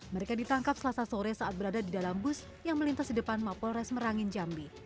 mereka ditangkap selasa sore saat berada di dalam bus yang melintas di depan mapolres merangin jambi